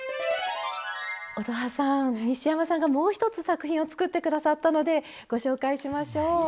乙葉さん西山さんがもう一つ作品を作って下さったのでご紹介しましょう。